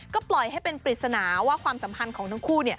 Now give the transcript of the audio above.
ก็ปล่อยให้เป็นปริศนาว่าความสัมพันธ์ของทั้งคู่